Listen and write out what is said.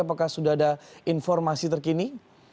apakah sudah ada informasi terkini